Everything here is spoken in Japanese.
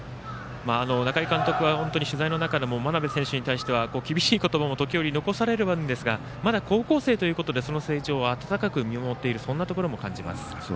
中井監督は取材の中でも真鍋選手に対しては厳しい言葉も時折、残されるんですがまだ高校生ということでその成長を温かく見守っているそんなところも感じます。